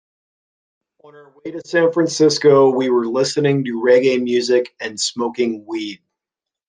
On our way to San Francisco, we were listening to reggae music and smoking weed.